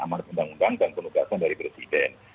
amanat undang undang dan penugasan dari presiden